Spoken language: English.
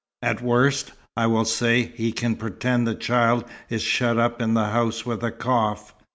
At worst, I will say, he can pretend the child is shut up in the house with a cough.